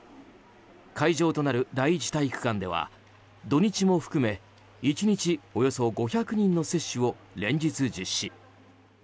会場となる第一体育館では土日も含め１日およそ５００人の接種を連日、実施。